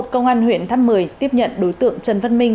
công an huyện tháp mười tiếp nhận đối tượng trần văn minh